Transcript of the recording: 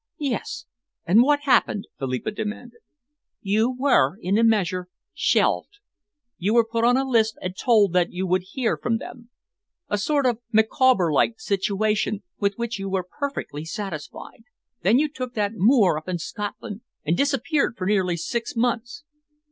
"Yes, and what happened?" Philippa demanded. "You were, in a measure, shelved. You were put on a list and told that you would hear from them a sort of Micawber like situation with which you were perfectly satisfied. Then you took that moor up in Scotland and disappeared for nearly six months."